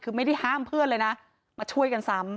คือไม่ได้ห้ามเพื่อนเลยนะมาช่วยกันซ้ำ